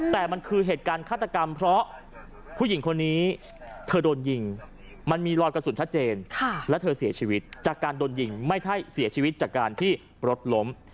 แต่มันคือเหตุการณ์ฆาตกรรมเพราะผู้หญิงคนนี้เธอโดนยิงมันมีรอยกระสุนชัดเจนและเธอเสียชีวิตจากการโดนยิงไม่ใช่เสียชีวิตจากการที่รถล้ม